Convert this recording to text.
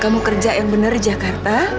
kamu kerja yang benar di jakarta